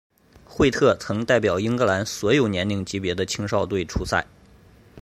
惠特曾代表英格兰所有年龄级别的青少队出赛。